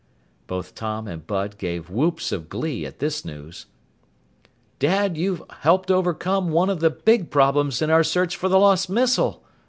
Both Tom and Bud gave whoops of glee at this news. "Dad, you've helped overcome one of the big problems in our search for the lost missile!"